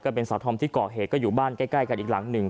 เป็นสาวธอมที่ก่อเหตุก็อยู่บ้านใกล้กันอีกหลังหนึ่ง